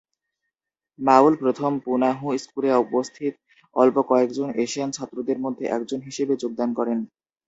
মাউল প্রথম পুনাহু স্কুলে উপস্থিত অল্প কয়েকজন এশিয়ান ছাত্রদের মধ্যে একজন হিসেবে যোগদান করেন।